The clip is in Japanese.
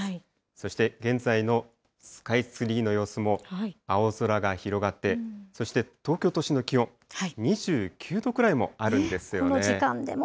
そして現在のスカイツリーの様子も、青空が広がって、そして東京都心の気温、２９度くらい、もうあるんですよね。